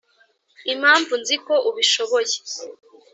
'impamvu nzi ko ubishoboye